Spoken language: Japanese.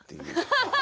ハハハハ！